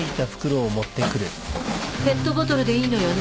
ペットボトルでいいのよね。